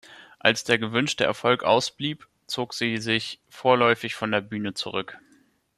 Als der gewünschte Erfolg ausblieb, zog sie sich vorläufig von der Bühne zurück.